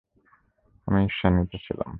আমি ঈর্ষান্বিত ছিলাম!